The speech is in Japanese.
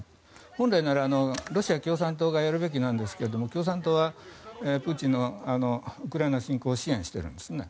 本来ならロシア共産党がやるべきなんですが共産党はプーチンのウクライナ侵攻を支援してるんですね。